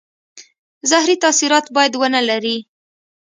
زهري تاثیرات باید ونه لري.